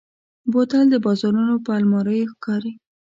بوتل د بازارونو پر الماریو ښکاري.